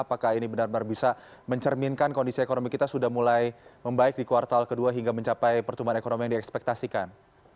apakah ini benar benar bisa mencerminkan kondisi ekonomi kita sudah mulai membaik di kuartal kedua hingga mencapai pertumbuhan ekonomi yang diekspektasikan